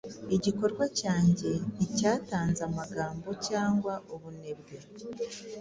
Igikorwa cyanjye nticyatanze amagambo cyangwa ubunebwe